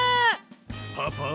パパ？